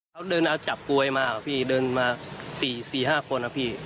เขาเดินเอาจับกลวยมาครับพี่เดินมา๔๕คนนะพี่